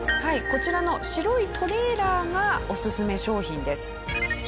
こちらの白いトレーラーがオススメ商品です。